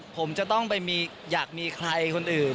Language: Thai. ผมจะต้องไปอยากมีใครคนอื่น